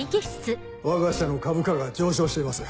わが社の株価が上昇しています。